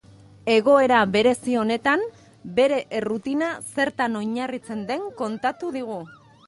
Egoera berezi honetan, bere errutina zertan oinarritzen den kontatu digu.